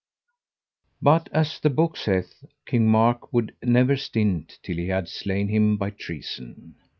But as the book saith, King Mark would never stint till he had slain him by treason.